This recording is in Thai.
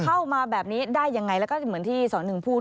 เข้ามาแบบนี้ได้ยังไงแล้วก็เหมือนที่สอนหนึ่งพูด